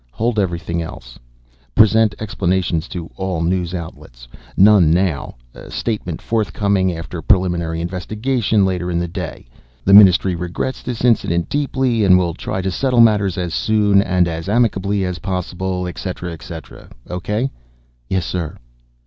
"Hold everything else. Present explanation to all news outlets: None now, statement forthcoming after preliminary investigation later in the day. The Ministry regrets this incident deeply, and will try to settle matters as soon and as amicably as possible, et cetera, et cetera. O.K.?" "Yes, sir."